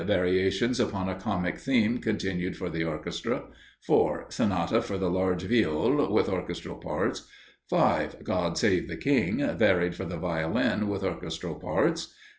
Variations upon a comic theme continued for the orchestra. 4. Sonata for the large Viol, with orchestral parts. 5. "God save the King," varied for the Violin, with orchestral parts.